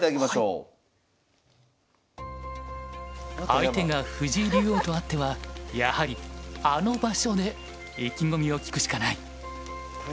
相手が藤井竜王とあってはやはりあの場所で意気込みを聞くしかない。